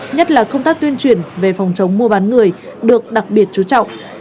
nhất là công tác tuyên truyền về phòng chống mua bán người được đặc biệt chú trọng